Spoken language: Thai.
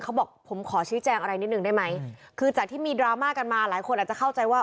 เขาบอกผมขอชี้แจงอะไรนิดนึงได้ไหมคือจากที่มีดราม่ากันมาหลายคนอาจจะเข้าใจว่า